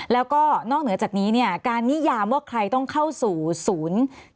แล้วก็นอกเหนือจากนี้เนี่ยการนิยามว่าใครต้องเข้าสู่ศูนย์